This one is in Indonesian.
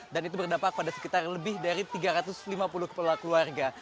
dan itu berdampak pada sekitar lebih dari tiga ratus lima puluh keluarga